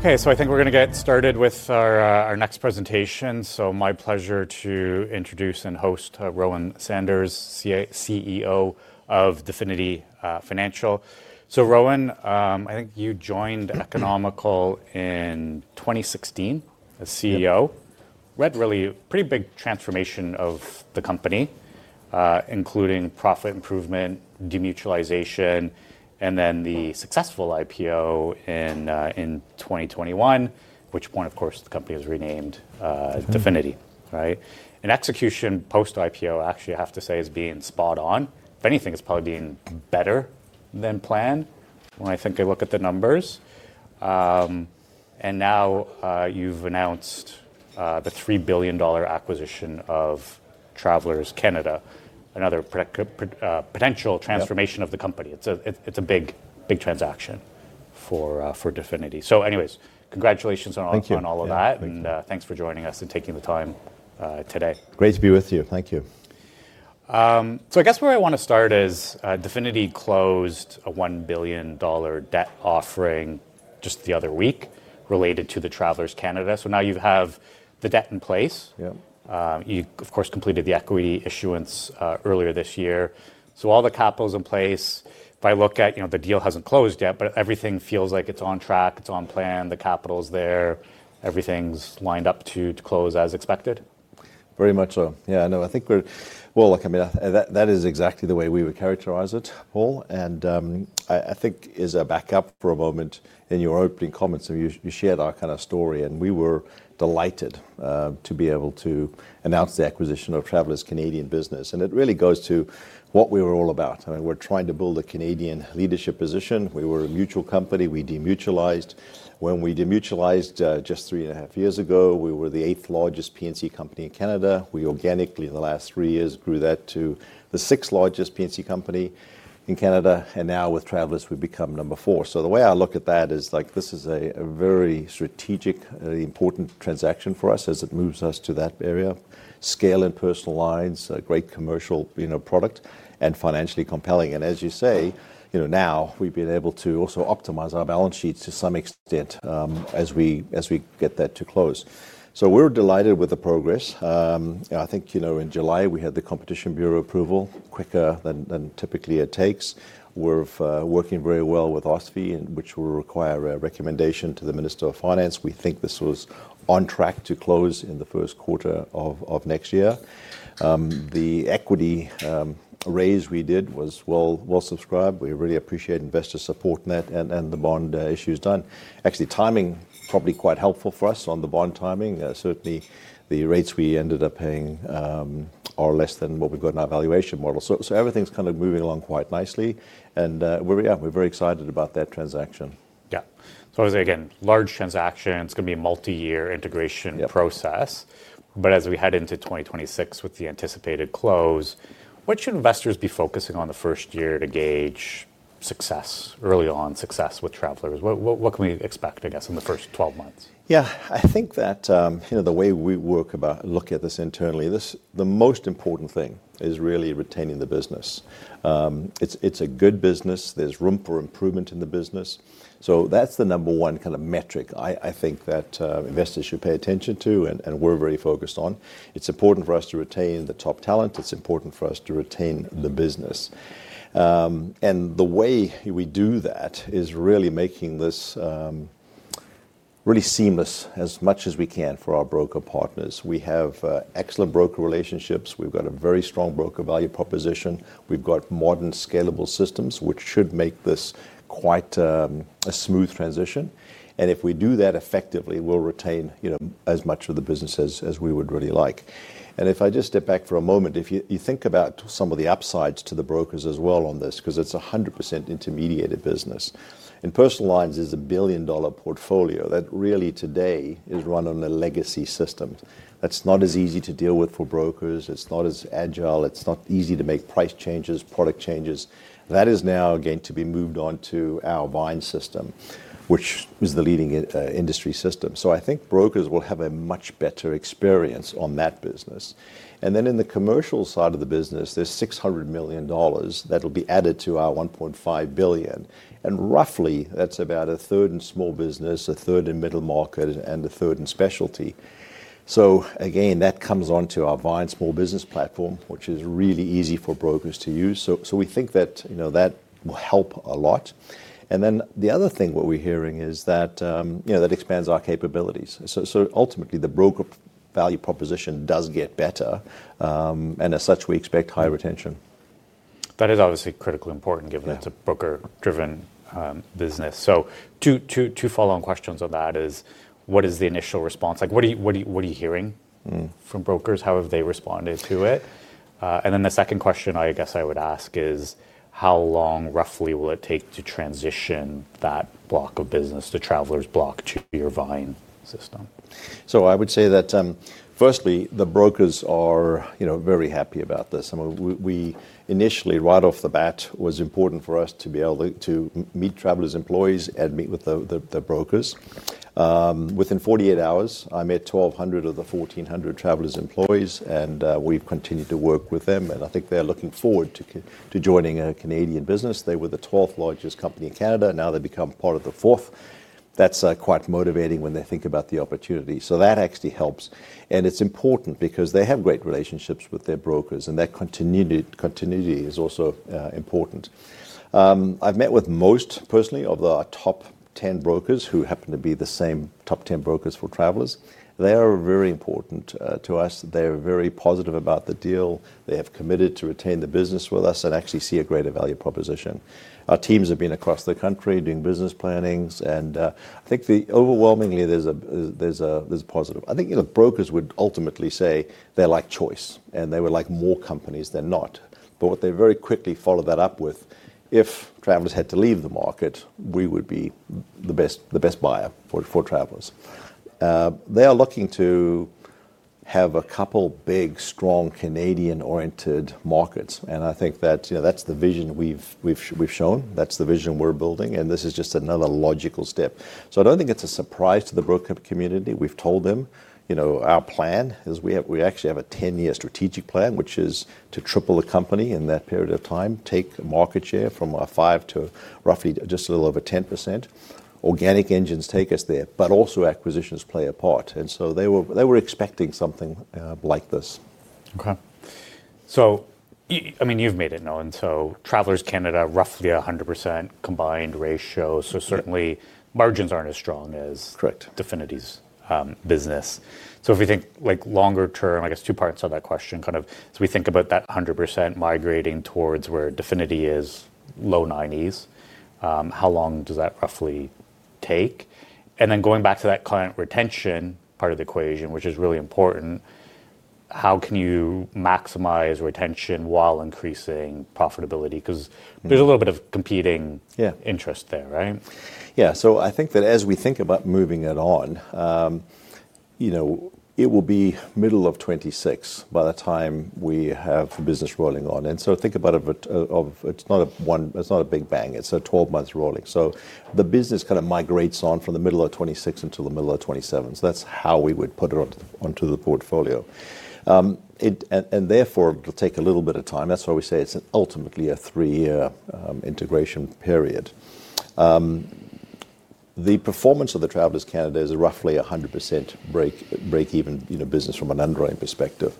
Okay, I think we're going to get started with our next presentation. It's my pleasure to introduce and host Rowan Saunders, CEO of Definity Financial Corporation. Rowan, I think you joined Economical in 2016 as CEO. We had really a pretty big transformation of the company, including profit improvement, demutualization, and then the successful IPO in 2021, at which point, of course, the company was renamed Definity, right? Execution post-IPO, I actually have to say, is being spot on. If anything, it's probably being better than planned when I look at the numbers. Now you've announced the $3 billion acquisition of Travelers Canada, another potential transformation of the company. It's a big, big transaction for Definity. Anyways, congratulations on all of that. Thank you. Thank you for joining us and taking the time today. Great to be with you. Thank you. I guess where I want to start is Definity closed a $1 billion debt offering just the other week related to Travelers Canada. Now you have the debt in place. Yep. You, of course, completed the equity issuance earlier this year. All the capital's in place. If I look at, you know, the deal hasn't closed yet, but everything feels like it's on track. It's on plan. The capital is there. Everything's lined up to close as expected. Very much so. Yeah, no, I think we're, look, I mean, that is exactly the way we would characterize it, Paul. I think, as a backup for a moment in your opening comments, you shared our kind of story, and we were delighted to be able to announce the acquisition of Travelers Canada Business. It really goes to what we were all about. I mean, we're trying to build a Canadian leadership position. We were a mutual company. We demutualized. When we demutualized just three and a half years ago, we were the eighth largest P&C company in Canada. We organically, in the last three years, grew that to the sixth largest P&C company in Canada. Now with Travelers, we've become number four. The way I look at that is like this is a very strategic, important transaction for us as it moves us to that area. Scale in personal lines, a great commercial product, and financially compelling. As you say, you know, now we've been able to also optimize our balance sheets to some extent as we get that to close. We're delighted with the progress. I think, you know, in July, we had the Competition Bureau approval quicker than typically it takes. We're working very well with OSFI, which will require a recommendation to the Minister of Finance. We think this was on track to close in the first quarter of next year. The equity raise we did was well subscribed. We really appreciate investors supporting that and the bond issues done. Actually, timing is probably quite helpful for us on the bond timing. Certainly, the rates we ended up paying are less than what we've got in our valuation model. Everything's kind of moving along quite nicely. Yeah, we're very excited about that transaction. Yeah, as I say again, large transaction. It's going to be a multi-year integration process. Yep. As we head into 2026 with the anticipated close, what should investors be focusing on in the first year to gauge success early on, success with Travelers? What can we expect in the first 12 months? Yeah, I think that, you know, the way we work about looking at this internally, the most important thing is really retaining the business. It's a good business. There's room for improvement in the business. That's the number one kind of metric I think that investors should pay attention to and we're very focused on. It's important for us to retain the top talent. It's important for us to retain the business. The way we do that is really making this really seamless as much as we can for our broker partners. We have excellent broker relationships. We've got a very strong broker value proposition. We've got modern, scalable systems, which should make this quite a smooth transition. If we do that effectively, we'll retain, you know, as much of the business as we would really like. If I just step back for a moment, if you think about some of the upsides to the brokers as well on this, because it's a 100% intermediated business. In personal lines, it's a $1 billion portfolio that really today is run on a legacy system. That's not as easy to deal with for brokers. It's not as agile. It's not easy to make price changes, product changes. That is now going to be moved on to our buying system, which is the leading industry system. I think brokers will have a much better experience on that business. In the commercial side of the business, there's $600 million that will be added to our $1.5 billion. Roughly, that's about a third in small business, a third in middle market, and a third in specialty. That comes onto our buying small business platform, which is really easy for brokers to use. We think that, you know, that will help a lot. The other thing what we're hearing is that, you know, that expands our capabilities. Ultimately, the broker value proposition does get better. As such, we expect higher retention. That is obviously critically important given it's a broker-driven business. Two follow-on questions on that: what is the initial response? What are you hearing from brokers? How have they responded to it? The second question I would ask is, how long roughly will it take to transition that block of business to Travelers Canada's block to your buying system? I would say that firstly, the brokers are very happy about this. I mean, initially, right off the bat, it was important for us to be able to meet Travelers Canada's employees and meet with the brokers. Within 48 hours, I met 1,200 of the 1,400 Travelers Canada's employees, and we've continued to work with them. I think they're looking forward to joining a Canadian business. They were the 12th largest company in Canada. Now they've become part of the fourth. That's quite motivating when they think about the opportunity. That actually helps. It's important because they have great relationships with their brokers, and that continuity is also important. I've met with most, personally, of our top 10 brokers who happen to be the same top 10 brokers for Travelers Canada. They are very important to us. They're very positive about the deal. They have committed to retain the business with us and actually see a greater value proposition. Our teams have been across the country doing business plannings. I think, overwhelmingly, there's a positive. I think brokers would ultimately say they like choice, and they would like more companies than not. What they very quickly follow that up with, if Travelers Canada had to leave the market, we would be the best buyer for Travelers Canada. They are looking to have a couple of big, strong, Canadian-oriented markets. I think that's the vision we've shown. That's the vision we're building. This is just another logical step. I don't think it's a surprise to the broker community. We've told them our plan is we actually have a 10-year strategic plan, which is to triple the company in that period of time, take market share from our five to roughly just a little over 10%. Organic engines take us there, but also acquisitions play a part. They were expecting something like this. Okay. I mean, you've made it known. Travelers Canada, roughly a 100% combined ratio. Certainly, margins aren't as strong as Definity's business. Correct. If we think longer term, I guess two parts of that question, as we think about that 100% migrating towards where Definity is low 90%, how long does that roughly take? Then going back to that client retention part of the equation, which is really important, how can you maximize retention while increasing profitability? Because there's a little bit of competing interest there, right? Yeah. I think that as we think about moving it on, it will be middle of 2026 by the time we have the business rolling on. Think about it, it's not a one, it's not a big bang. It's a 12-month rolling. The business kind of migrates on from the middle of 2026 until the middle of 2027. That's how we would put it onto the portfolio, and therefore, it'll take a little bit of time. That's why we say it's ultimately a three-year integration period. The performance of Travelers Canada is roughly a 100% break-even business from an underwriting perspective.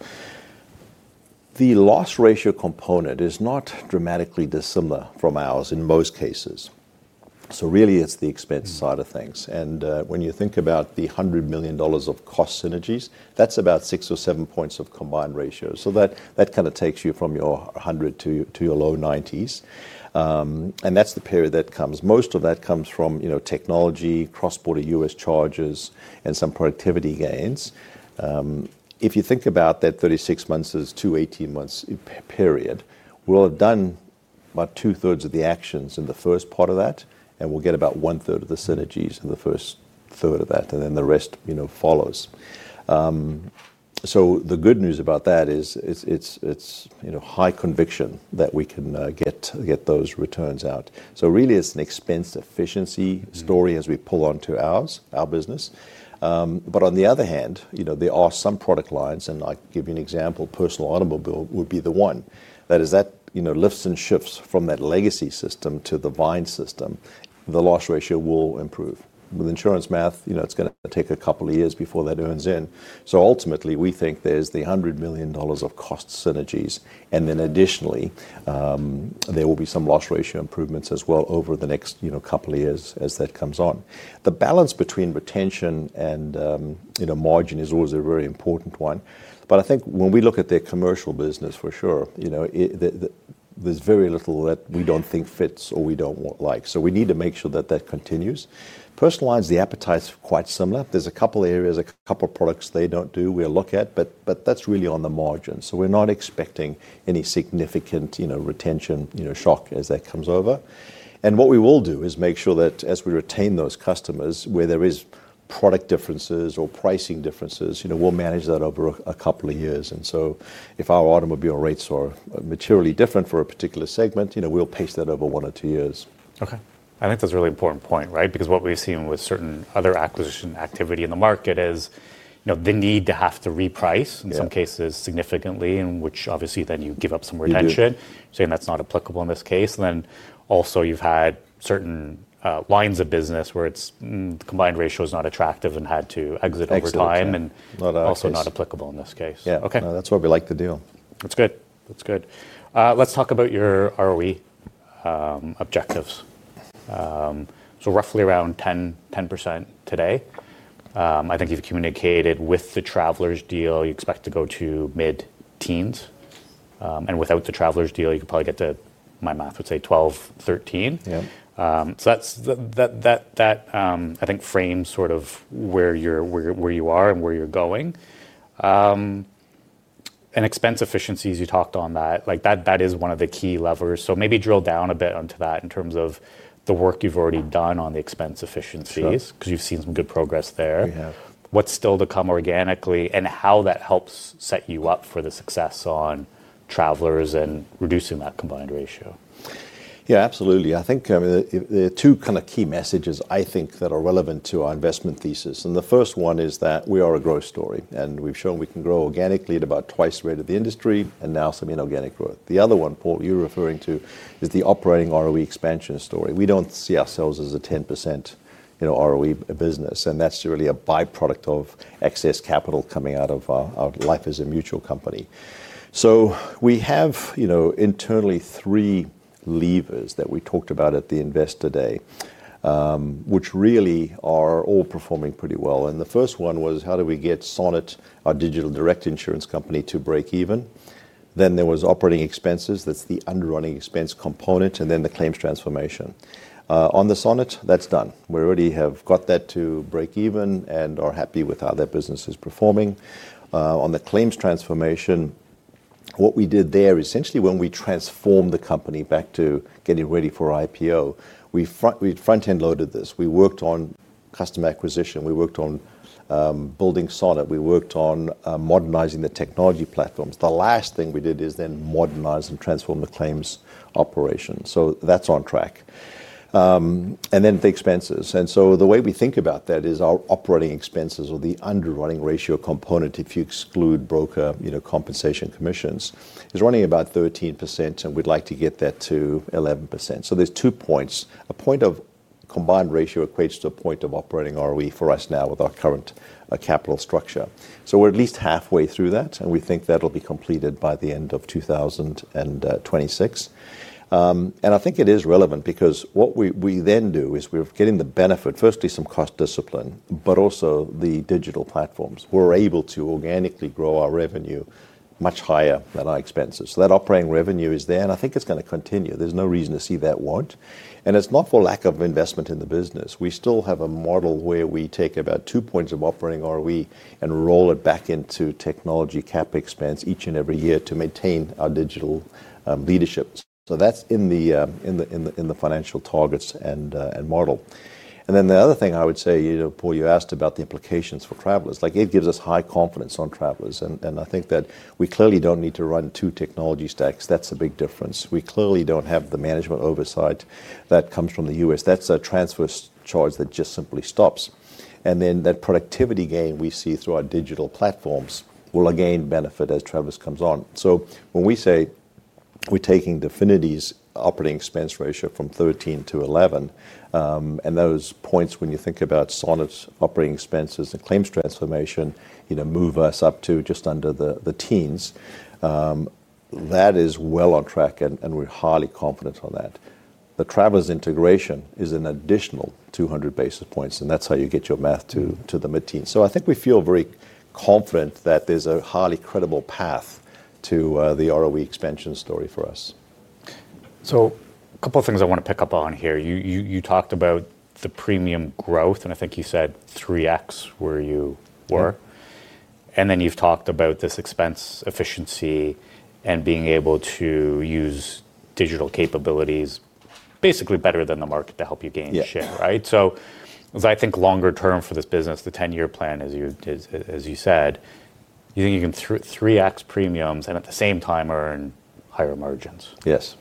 The loss ratio component is not dramatically dissimilar from ours in most cases. Really, it's the expense side of things. When you think about the $100 million of cost synergies, that's about six or seven points of combined ratio. That kind of takes you from your 100 to your low 90s, and that's the period that comes. Most of that comes from technology, cross-border U.S. charges, and some productivity gains. If you think about that 36 months as two 18-month periods, we'll have done about two-thirds of the actions in the first part of that, and we'll get about one-third of the synergies in the first third of that. The rest follows. The good news about that is it's high conviction that we can get those returns out. Really, it's an expense efficiency story as we pull onto our business. On the other hand, there are some product lines, and I'll give you an example. Personal automobile would be the one. That is that lifts and shifts from that legacy system to the buying system. The loss ratio will improve. With insurance math, it's going to take a couple of years before that turns in. Ultimately, we think there's the $100 million of cost synergies, and then additionally, there will be some loss ratio improvements as well over the next couple of years as that comes on. The balance between retention and margin is always a very important one. I think when we look at their commercial business for sure, there's very little that we don't think fits or we don't like. We need to make sure that that continues. Personal lines, the appetite is quite similar. There's a couple of areas, a couple of products they don't do we'll look at, but that's really on the margins. We're not expecting any significant retention shock as that comes over. We will make sure that as we retain those customers where there are product differences or pricing differences, we'll manage that over a couple of years. If our automobile rates are materially different for a particular segment, we'll pace that over one or two years. Okay. I think that's a really important point, right? Because what we've seen with certain other acquisition activity in the market is the need to have to reprice in some cases significantly, which obviously then you give up some retention. Yep. Saying that's not applicable in this case. You have also had certain lines of business where its combined ratio is not attractive and had to exit over time. Exactly. Not applicable in this case. Yeah. Okay. No, that's what we like to do. That's good. That's good. Let's talk about your ROE objectives. Roughly around 10% today. I think you've communicated with the Travelers deal you expect to go to mid-teens. Without the Travelers deal, you could probably get to, my math would say, 12, 13. Yep. I think that frames sort of where you are and where you're going. Expense efficiencies, you talked on that. That is one of the key levers. Maybe drill down a bit onto that in terms of the work you've already done on the expense efficiencies. Yep. Because you've seen some good progress there. We have. What's still to come organically, and how that helps set you up for the success on Travelers and reducing that combined ratio? Yeah, absolutely. I think there are two kind of key messages I think that are relevant to our investment thesis. The first one is that we are a growth story, and we've shown we can grow organically at about twice the rate of the industry and now some inorganic growth. The other one, Paul, you're referring to is the operating ROE expansion story. We don't see ourselves as a 10% ROE business, and that's really a byproduct of excess capital coming out of our life as a mutual company. We have, you know, internally three levers that we talked about at the Investor Day, which really are all performing pretty well. The first one was how do we get SONNET, our digital direct insurance company, to break even. Then there was operating expenses. That's the underwriting expense component. Then the claims transformation. On the SONNET, that's done. We already have got that to break even and are happy with how that business is performing. On the claims transformation, what we did there is essentially when we transformed the company back to getting ready for IPO, we front-end loaded this. We worked on customer acquisition. We worked on building SONNET. We worked on modernizing the technology platforms. The last thing we did is then modernize and transform the claims operation. That's on track. Then the expenses. The way we think about that is our operating expenses or the underwriting ratio component, if you exclude broker compensation commissions, is running about 13%, and we'd like to get that to 11%. There's two points. A point of combined ratio equates to a point of operating ROE for us now with our current capital structure. We're at least halfway through that, and we think that'll be completed by the end of 2026. I think it is relevant because what we then do is we're getting the benefit, firstly, some cost discipline, but also the digital platforms. We're able to organically grow our revenue much higher than our expenses. That operating revenue is there, and I think it's going to continue. There's no reason to see that want. It's not for lack of investment in the business. We still have a model where we take about two points of operating ROE and roll it back into technology CapEx each and every year to maintain our digital leadership. That's in the financial targets and model. The other thing I would say, you know, Paul, you asked about the implications for Travelers. It gives us high confidence on Travelers. I think that we clearly don't need to run two technology stacks. That's a big difference. We clearly don't have the management oversight that comes from the U.S. That's a transfer charge that just simply stops. That productivity gain we see through our digital platforms will again benefit as Travelers comes on. When we say we're taking Definity's operating expense ratio from 13% to 11%, and those points, when you think about SONNET's operating expenses and claims transformation, move us up to just under the teens, that is well on track, and we're highly confident on that. The Travelers integration is an additional 200 basis points, and that's how you get your math to the mid-teens. I think we feel very confident that there's a highly credible path to the ROE expansion story for us. A couple of things I want to pick up on here. You talked about the premium growth, and I think you said 3X where you were. Yep. You've talked about this expense efficiency and being able to use digital capabilities basically better than the market to help you gain share, right? Yep. I think longer term for this business, the 10-year plan is, as you said, you think you can 3X premiums and at the same time earn higher margins. Yes,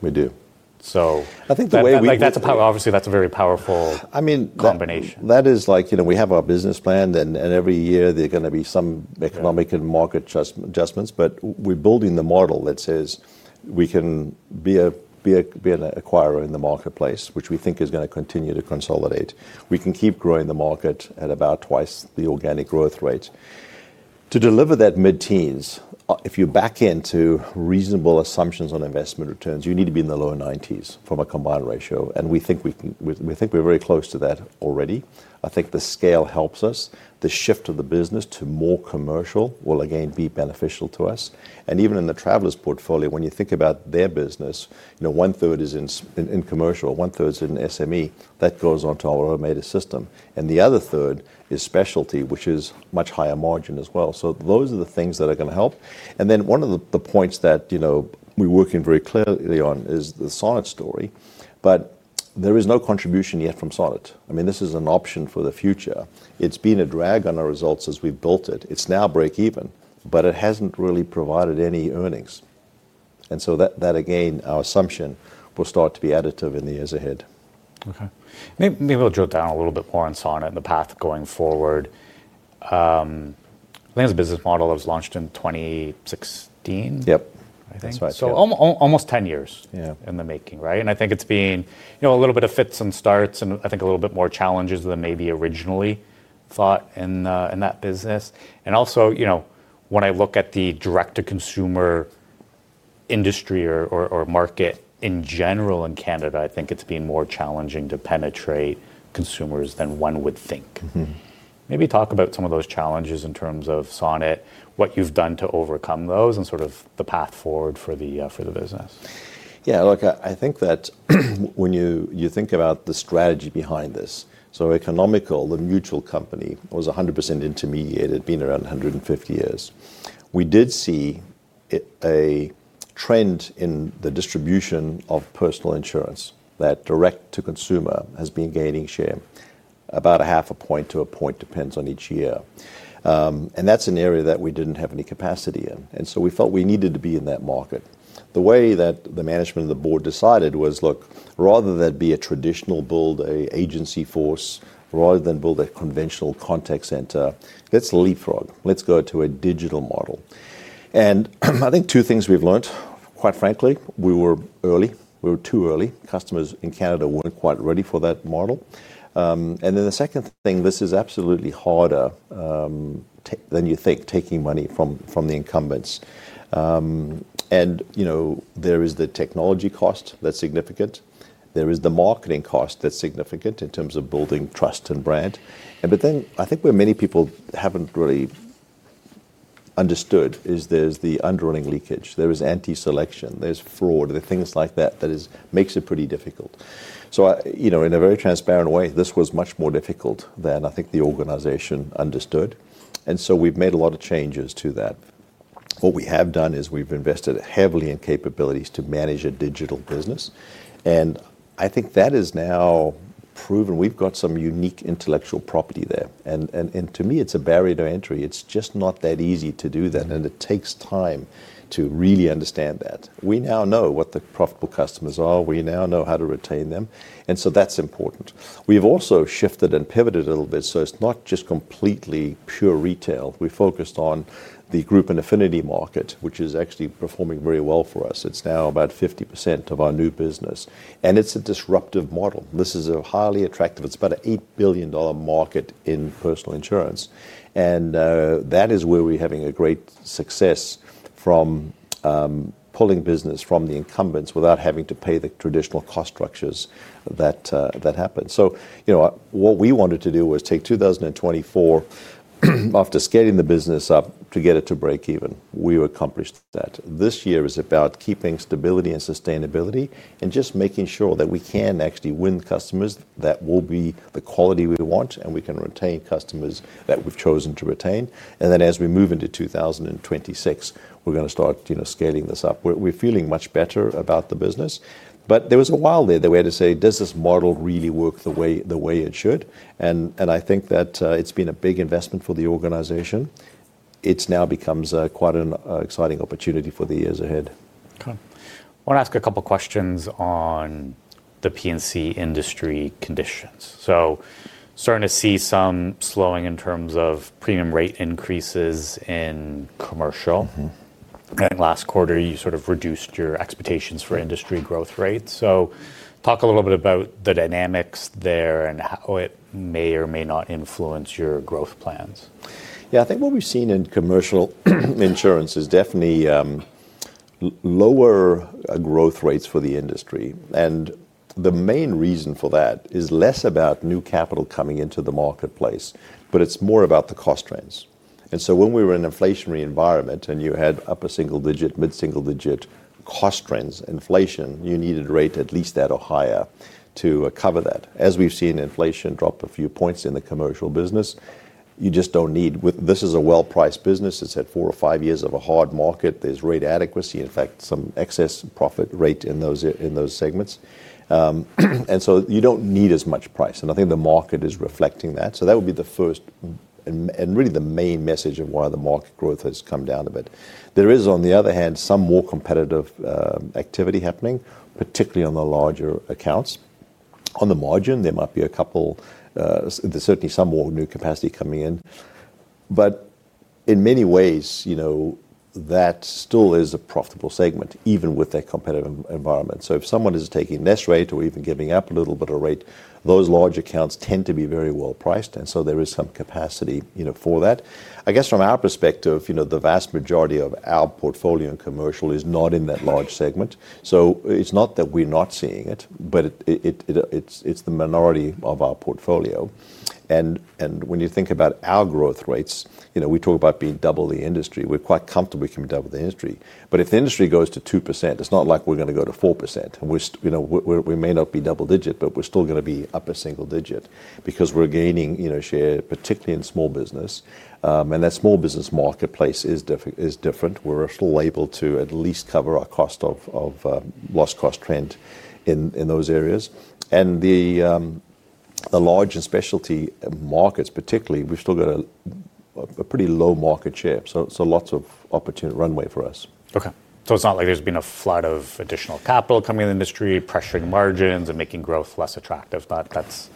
we do. So. I think the way we. That's a very powerful combination. I mean, that is like, you know, we have our business plan, and every year there are going to be some economic and market adjustments, but we're building the model that says we can be an acquirer in the marketplace, which we think is going to continue to consolidate. We can keep growing the market at about twice the organic growth rate. To deliver that mid-teens, if you're back into reasonable assumptions on investment returns, you need to be in the low 90% from a combined ratio. We think we're very close to that already. I think the scale helps us. The shift of the business to more commercial will again be beneficial to us. Even in the Travelers portfolio, when you think about their business, one-third is in commercial, one-third's in SME. That goes onto our automated system. The other third is specialty, which is much higher margin as well. Those are the things that are going to help. One of the points that we're working very clearly on is the SONNET story. There is no contribution yet from SONNET. I mean, this is an option for the future. It's been a drag on our results as we built it. It's now break even, but it hasn't really provided any earnings. That, again, our assumption will start to be additive in the years ahead. Okay. Maybe we'll drill down a little bit more on SONNET and the path going forward. I think it's a business model that was launched in 2016. Yep. I think. That's right. Almost 10 years. Yeah. It's been in the making, right? I think it's been a little bit of fits and starts, and I think a little bit more challenges than maybe originally thought in that business. Also, when I look at the direct-to-consumer industry or market in general in Canada, I think it's been more challenging to penetrate consumers than one would think. Mm-hmm. Maybe talk about some of those challenges in terms of SONNET, what you've done to overcome those, and sort of the path forward for the business. Yeah, look, I think that when you think about the strategy behind this, Economical, the mutual company, was 100% intermediated, been around 150 years. We did see a trend in the distribution of personal insurance that direct-to-consumer has been gaining share, about half a point to a point, depends on each year. That's an area that we didn't have any capacity in, and we felt we needed to be in that market. The way that the management and the board decided was, look, rather than build an agency force, rather than build a conventional contact center, let's leapfrog. Let's go to a digital model. I think two things we've learned, quite frankly, we were early. We were too early. Customers in Canada weren't quite ready for that model. The second thing, this is absolutely harder than you think, taking money from the incumbents. There is the technology cost that's significant. There is the marketing cost that's significant in terms of building trust and brand. I think where many people haven't really understood is there's the underwriting leakage. There is anti-selection. There's fraud. There are things like that that make it pretty difficult. In a very transparent way, this was much more difficult than I think the organization understood. We've made a lot of changes to that. What we have done is we've invested heavily in capabilities to manage a digital business. I think that is now proven, we've got some unique intellectual property there. To me, it's a barrier to entry. It's just not that easy to do that, and it takes time to really understand that. We now know what the profitable customers are. We now know how to retain them, and that's important. We've also shifted and pivoted a little bit. It's not just completely pure retail. We focused on the group and affinity market, which is actually performing very well for us. It's now about 50% of our new business, and it's a disruptive model. This is a highly attractive, it's about an $8 billion market in personal insurance, and that is where we're having great success from pulling business from the incumbents without having to pay the traditional cost structures that happen. What we wanted to do was take 2024 after scaling the business up to get it to break even. We accomplished that. This year is about keeping stability and sustainability, just making sure that we can actually win customers that will be the quality we want, and we can retain customers that we've chosen to retain. As we move into 2026, we're going to start scaling this up. We're feeling much better about the business. There was a while there that we had to say, does this model really work the way it should? I think that it's been a big investment for the organization. It now becomes quite an exciting opportunity for the years ahead. Okay. I want to ask a couple of questions on the P&C industry conditions. Starting to see some slowing in terms of premium rate increases in commercial. Mm-hmm. I think last quarter you sort of reduced your expectations for industry growth rates. Talk a little bit about the dynamics there and how it may or may not influence your growth plans. Yeah, I think what we've seen in commercial insurance is definitely lower growth rates for the industry. The main reason for that is less about new capital coming into the marketplace, but it's more about the cost trends. When we were in an inflationary environment and you had upper single-digit, mid-single-digit cost trends, inflation, you needed rate at least that or higher to cover that. As we've seen inflation drop a few points in the commercial business, you just don't need, this is a well-priced business. It's had four or five years of a hard market. There's rate adequacy, in fact, some excess profit rate in those segments. You don't need as much price. I think the market is reflecting that. That would be the first and really the main message of why the market growth has come down a bit. There is, on the other hand, some more competitive activity happening, particularly on the larger accounts. On the margin, there might be a couple, there's certainly some more new capacity coming in. In many ways, that still is a profitable segment, even with that competitive environment. If someone is taking less rate or even giving up a little bit of rate, those large accounts tend to be very well priced. There is some capacity for that. I guess from our perspective, the vast majority of our portfolio in commercial is not in that large segment. It's not that we're not seeing it, but it's the minority of our portfolio. When you think about our growth rates, we talk about being double the industry. We're quite comfortable we can double the industry. If the industry goes to 2%, it's not like we're going to go to 4%. We may not be double-digit, but we're still going to be upper single-digit because we're gaining share, particularly in small business. That small business marketplace is different. We're still able to at least cover our cost of loss cost trend in those areas. The large and specialty markets, particularly, we've still got a pretty low market share. Lots of opportunity runway for us. Okay. It's not like there's been a flood of additional capital coming in the industry, pressuring margins and making growth less attractive. That's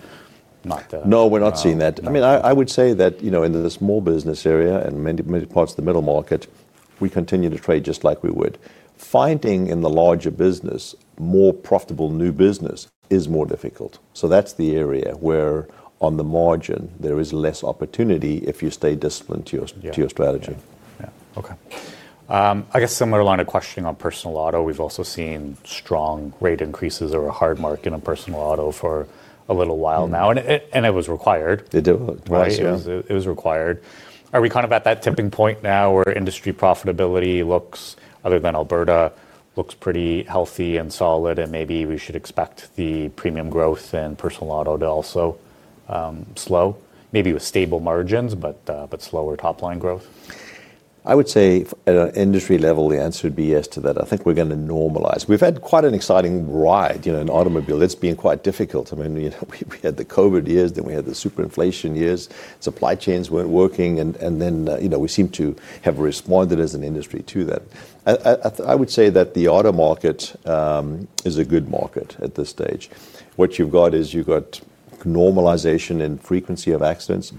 not the case. No, we're not seeing that. I mean, I would say that in the small business area and many parts of the middle market, we continue to trade just like we would. Finding in the larger business more profitable new business is more difficult. That's the area where on the margin there is less opportunity if you stay disciplined to your strategy. Yeah. Okay. I guess similar line of questioning on personal auto. We've also seen strong rate increases over a hard market in personal auto for a little while now. It was required. It did. Right? Yeah. It was required. Are we kind of at that tipping point now where industry profitability, other than Alberta, looks pretty healthy and solid? Maybe we should expect the premium growth in personal auto to also slow, maybe with stable margins but slower top line growth? I would say at an industry level, the answer would be yes to that. I think we're going to normalize. We've had quite an exciting ride in automobile. It's been quite difficult. We had the COVID years, then we had the super inflation years. Supply chains weren't working. We seem to have responded as an industry to that. I would say that the auto market is a good market at this stage. What you've got is you've got normalization in frequency of accidents,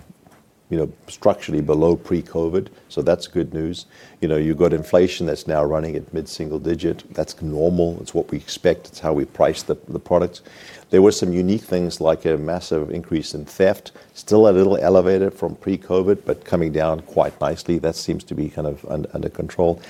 structurally below pre-COVID. That's good news. You've got inflation that's now running at mid-single digit. That's normal. It's what we expect. It's how we price the products. There were some unique things like a massive increase in theft, still a little elevated from pre-COVID, but coming down quite nicely. That seems to be kind of under control.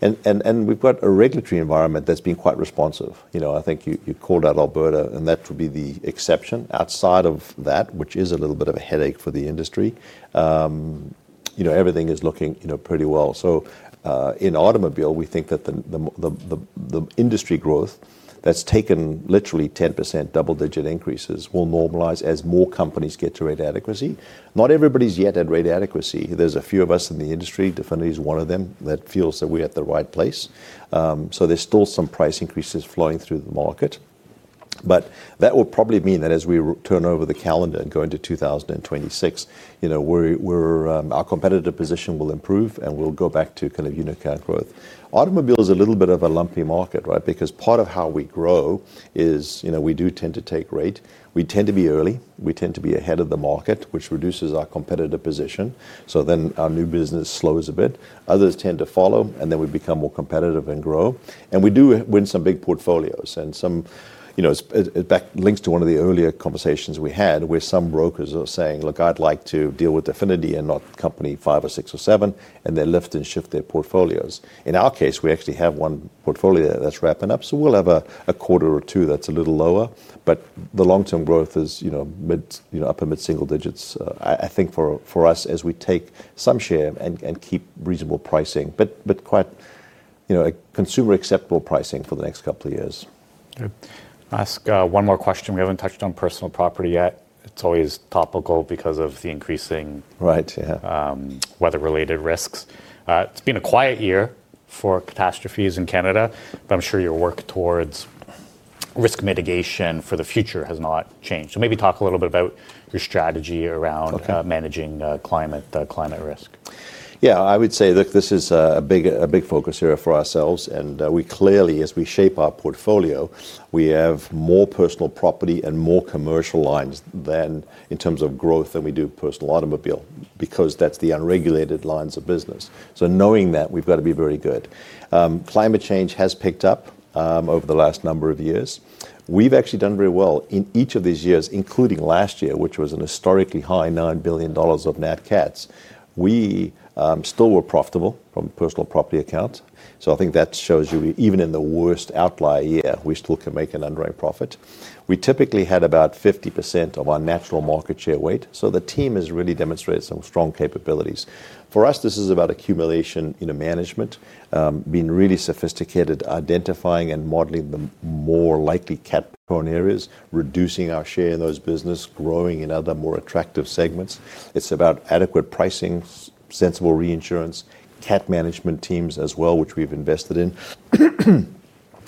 We've got a regulatory environment that's been quite responsive. I think you called out Alberta, and that would be the exception. Outside of that, which is a little bit of a headache for the industry, everything is looking pretty well. In automobile, we think that the industry growth that's taken literally 10% double-digit increases will normalize as more companies get to rate adequacy. Not everybody's yet at rate adequacy. There's a few of us in the industry, Definity is one of them, that feels that we're at the right place. There's still some price increases flowing through the market. That will probably mean that as we turn over the calendar and go into 2026, our competitive position will improve and we'll go back to kind of unit cap growth. Automobile is a little bit of a lumpy market, right? Because part of how we grow is we do tend to take rate. We tend to be early. We tend to be ahead of the market, which reduces our competitive position. Then our new business slows a bit. Others tend to follow, and then we become more competitive and grow. We do win some big portfolios. It links to one of the earlier conversations we had where some brokers are saying, look, I'd like to deal with Definity and not Company 5 or 6 or 7, and they lift and shift their portfolios. In our case, we actually have one portfolio that's wrapping up. We'll have a quarter or two that's a little lower. The long-term growth is upper mid-single digits, I think, for us as we take some share and keep reasonable pricing, but quite consumer-acceptable pricing for the next couple of years. Yeah. I'll ask one more question. We haven't touched on personal property yet. It's always topical because of the increasing. Right, yeah. Weather-related risks. It's been a quiet year for catastrophes in Canada, but I'm sure your work towards risk mitigation for the future has not changed. Maybe talk a little bit about your strategy around managing climate risk. Yeah, I would say, look, this is a big focus area for ourselves. We clearly, as we shape our portfolio, have more personal property and more commercial lines in terms of growth than we do personal automobile because that's the unregulated lines of business. Knowing that, we've got to be very good. Climate change has picked up over the last number of years. We've actually done very well in each of these years, including last year, which was a historically high $9 billion of net cats. We still were profitable from personal property accounts. I think that shows you even in the worst outlier year, we still can make an underwriting profit. We typically had about 50% of our natural market share weight. The team has really demonstrated some strong capabilities. For us, this is about accumulation in management, being really sophisticated, identifying and modeling the more likely cat prone areas, reducing our share in those businesses, growing in other more attractive segments. It's about adequate pricing, sensible reinsurance, cat management teams as well, which we've invested in,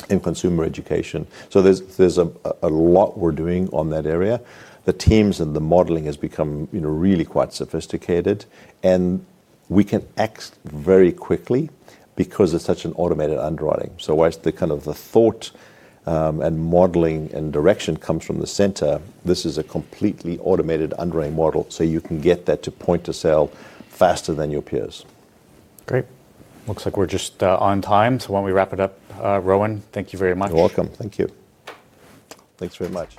and consumer education. There's a lot we're doing in that area. The teams and the modeling has become, you know, really quite sophisticated. We can act very quickly because it's such an automated underwriting. Whilst the kind of the thought and modeling and direction comes from the center, this is a completely automated underwriting model. You can get that to point to sale faster than your peers. Great. Looks like we're just on time. Why don't we wrap it up? Rowan, thank you very much. You're welcome. Thank you. Thanks very much.